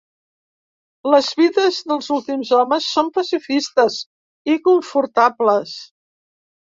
Les vides dels últims homes són pacifistes i confortables.